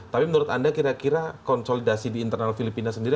tapi menurut anda kira kira konsolidasi di internal filipina sendiri